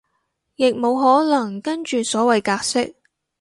亦無可能跟住所謂格式